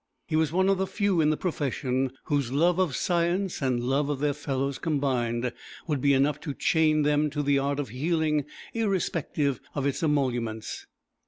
He was one of the few in the profession, whose love of science and love of their fellows combined, would be enough to chain them to the art of healing, irrespective of its emoluments.